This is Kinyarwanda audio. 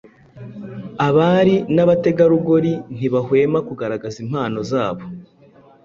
Abari n’abategarugori ntibahwema kugaragaza impano zabo